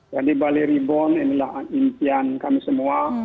jadi bali reborn inilah impian kami semua